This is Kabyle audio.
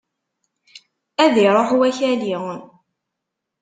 Ad iruḥ wakali!